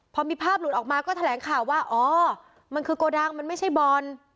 พอมีภาพหลุดออกมาก็แถลงข่าวว่าอ๋อมันคือโกดังมันไม่ใช่บอล